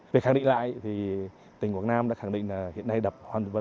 về khẳng định lại thì tỉnh quảng nam đã khẳng định là hiện nay đập hoàn